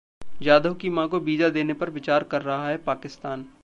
जाधव की मां को वीजा देने पर विचार कर रहा है पाकिस्तान